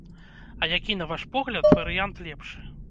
А які, на ваш погляд, варыянт лепшы?